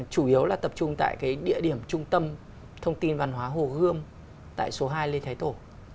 chủ yếu là tập trung tại cái địa điểm trung tâm thông tin văn hóa hồ gươm tại số hai lê thái tổ